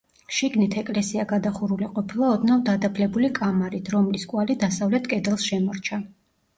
შიგნით ეკლესია გადახურული ყოფილა ოდნავ დადაბლებული კამარით, რომლის კვალი დასავლეთ კედელს შემორჩა.